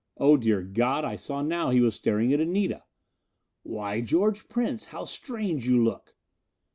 Oh dear God, I saw now that he was staring at Anita! "Why George Prince! How strange you look!"